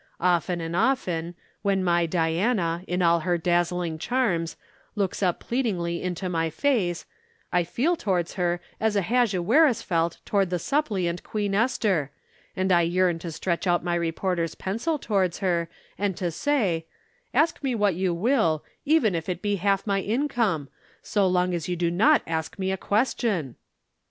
Often and often, when my Diana, in all her dazzling charms, looks up pleadingly into my face, I feel towards her as Ahasuerus felt towards the suppliant Queen Esther, and I yearn to stretch out my reporter's pencil towards her, and to say: 'Ask me what you will even if it be half my income so long as you do not ask me a question.'"